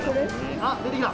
あっ、出てきた。